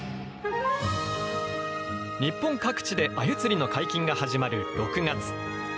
日本各地でアユ釣りの解禁が始まる６月。